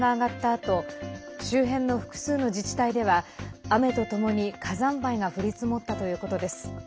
あと周辺の複数の自治体では雨とともに火山灰が降り積もったということです。